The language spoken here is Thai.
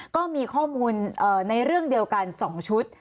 ก็มีข้อมูลในเรื่องเดียวกัน๒ชุด